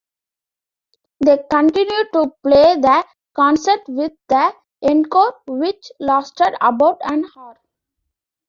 They continued to play the concert with the "encore" which lasted about an hour.